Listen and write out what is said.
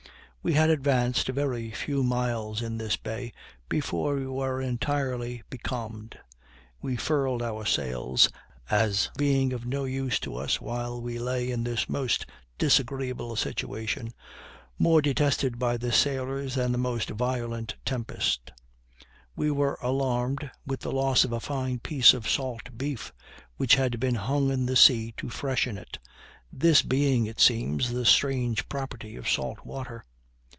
We had advanced a very few miles in this bay before we were entirely becalmed: we furled our sails, as being of no use to us while we lay in this most disagreeable situation, more detested by the sailors than the most violent tempest: we were alarmed with the loss of a fine piece of salt beef, which had been hung in the sea to freshen it; this being, it seems, the strange property of salt water.